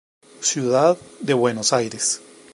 Ciudad de Buenos Aires.